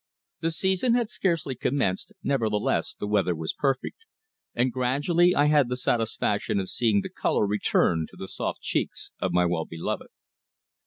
The season had scarcely commenced, nevertheless the weather was perfect, and gradually I had the satisfaction of seeing the colour return to the soft cheeks of my well beloved.